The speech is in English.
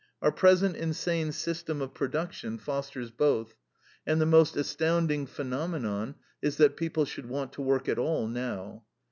Our present insane system of production fosters both, and the most astounding phenomenon is that people should want to work at all now.